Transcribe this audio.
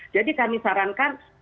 jadi kami sarankan